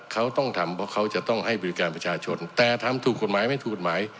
เขาต้องทำเพราะเขาจะต้องให้บริการประชาชนแต่ทำถูกกฎหมายไม่ถูกกฎหมาย